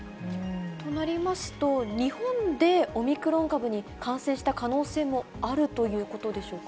となりますと、日本でオミクロン株に感染した可能性もあるということでしょうか。